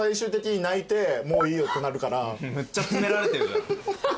めっちゃ詰められてるじゃん。